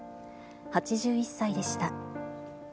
８１歳でした。